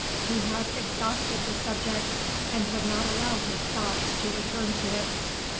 He had exhausted the subject, and would not allow his thoughts to return to it.